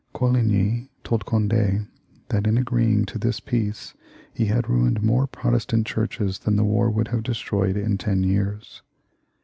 Coligny told Cond^ that in agreeing to this peace he had ruined more Protestant churches than the war would have destroyed in ten years.